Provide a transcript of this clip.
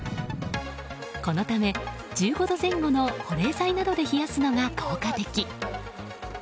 このため１５度前後の保冷剤などで冷やすのが効果的。